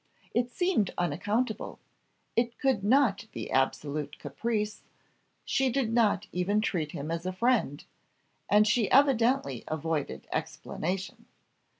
It seemed unaccountable; it could not be absolute caprice, she did not even treat him as a friend, and she evidently avoided explanation.